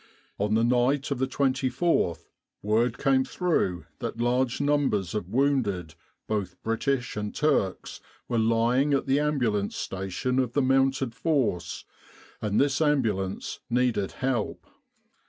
On the night of the 24th word came through that large numbers of wounded, both British and Turks, were lying at the Ambulance Station of the mounted force, and this Ambulance needed help.